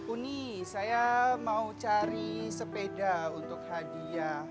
uni saya mau cari sepeda untuk hadiah